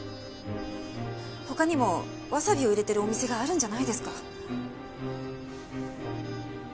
他にもわさびを入れてるお店があるんじゃないですか？